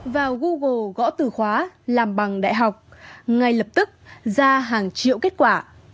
vào google gõ từ khóa làm bằng đại học ngay lập tức ra hàng triệu kết quả